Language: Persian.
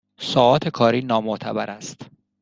ساعات کاری نامعتبر است